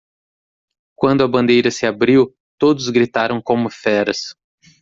Quando a bandeira se abriu, todos gritaram como feras.